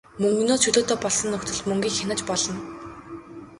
Мөнгөнөөс чөлөөтэй болсон нөхцөлд мөнгийг хянаж болно.